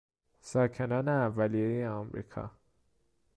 ساکنان اولیهی امریکا